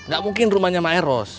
nggak mungkin rumahnya maeros